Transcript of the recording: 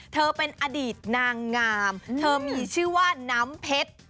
เธอเป็นอดีตนางงามเธอมีชื่อว่าน้ำเพชร